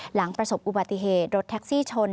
หลังประสบอุบัติเหตุรถแท็กซี่ชน